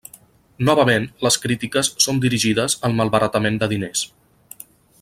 Novament, les crítiques són dirigides al malbaratament de diners.